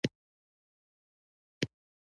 د حالاتو په اړه هېڅ چا څه نه شوای ویلای.